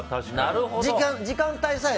時間帯さえ。